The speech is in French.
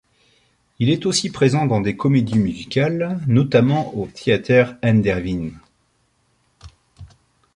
Il est aussi présent dans des comédies musicales, notamment au Theater an der Wien.